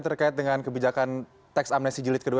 terkait dengan kebijakan tax amnesty jelit kedua